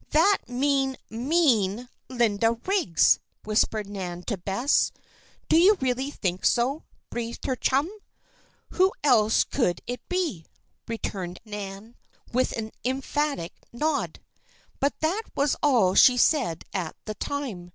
"That mean, mean Linda Riggs!" whispered Nan to Bess. "Do you really think so?" breathed her chum. "Who else could it be?" returned Nan, with an emphatic nod. But that was all she said at the time.